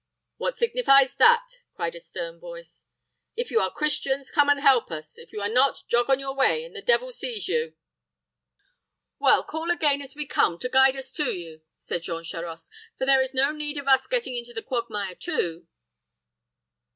"What signifies that," cried a stern voice. "If you are Christians, come and help us. If you are not, jog on your way, and the devil seize you." "Well, call again as we come, to guide us to you," said Jean Charost, "for there is no need of us getting into the quagmire too."